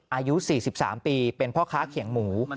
อายุ๔๓ปีเป็นพ่อค้าเขียงหมู